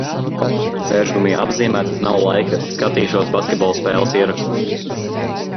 Dzēšgumija apzīmēta, nav laika, skatīšos basketbola spēles ierakstu.